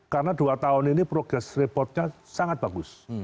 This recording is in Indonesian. karena dua tahun ini progress reportnya sangat bagus